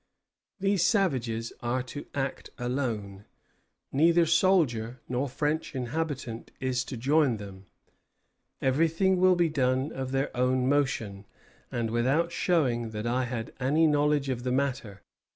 These savages are to act alone; neither soldier nor French inhabitant is to join them; everything will be done of their own motion, and without showing that I had any knowledge of the matter.